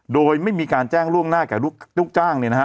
โดยไม่มีการแจ้งล่วงหน้าแก่ลูกจ้างเนี่ยนะฮะ